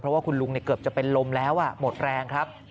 เพราะว่าคุณลุงเกือบจะเป็นลมแล้วหมดแรงครับ